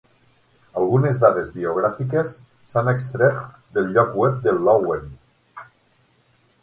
Algunes dades biogràfiques s'han extret del lloc web de Loewen.